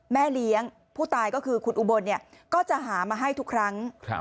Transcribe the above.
แม่เลี้ยงผู้ตายก็คือคุณอุบลเนี่ยก็จะหามาให้ทุกครั้ง